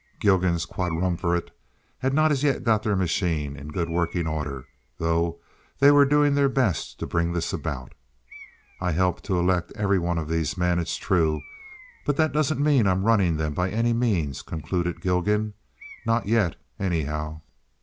Gilgan's quadrumvirate had not as yet got their machine in good working order, though they were doing their best to bring this about. "I helped to elect every one of these men, it's true; but that doesn't mean I'm running 'em by any means," concluded Gilgan. "Not yet, anyhow."